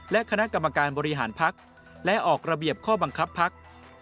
และคณะกรรมการบริหารพักและออกระเบียบข้อบังคับพัก